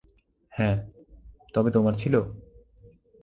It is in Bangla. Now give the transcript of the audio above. হ্যাঁ, তবে তোমার ছিল?